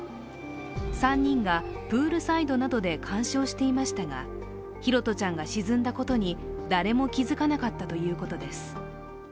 ３人がプールサイドなどで監視をしていましたが、拓杜ちゃんが沈んだことに誰も気付かなかったということです。